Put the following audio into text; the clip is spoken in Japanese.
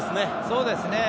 そうですね。